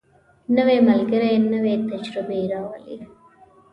نوی ملګری نوې تجربې راولي